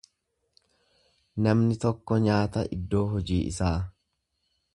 Namni tokko nyaata iddoo hojii isaa.